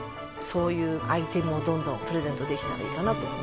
そういうアイテムをどんどんプレゼントできたらいいかなと。